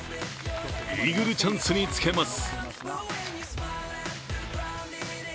イーグルチャンスにつけます。